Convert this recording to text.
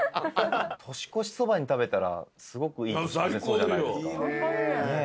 年越しそばに食べたらすごくいい年越せそうじゃないですか？